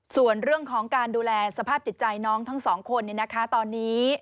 ส่วนเรื่องของการดูแลสภาพจิตใจน้องทั้งสองคนตอนนี้